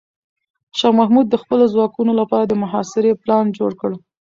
شاه محمود د خپلو ځواکونو لپاره د محاصرې پلان جوړ کړ.